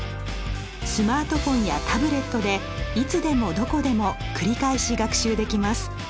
スマートフォンやタブレットでいつでもどこでも繰り返し学習できます。